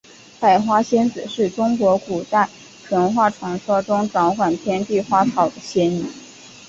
百花仙子是中国古代神话传说中掌管天地花草的仙女。